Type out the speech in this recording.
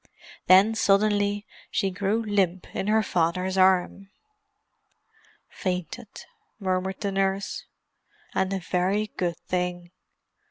Then, suddenly, she grew limp in her father's arm. "Fainted," murmured the nurse. "And a very good thing."